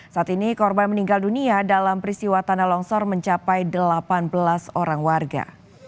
saat ini korban meninggal dunia dalam peristiwa tanah longsor mencapai delapan belas orang warga